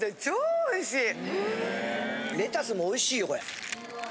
レタスもおいしいよこれ。